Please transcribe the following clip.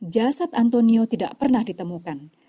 jasad antonio tidak pernah ditemukan